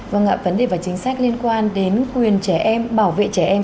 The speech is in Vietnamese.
vâng ạ vấn đề và chính sách liên quan đến quyền trẻ em bảo vệ trẻ em